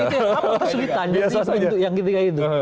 apa kesulitan yang ditinggalkan itu